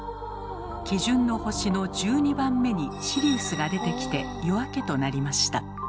基準の星の１２番目にシリウスが出てきて夜明けとなりました。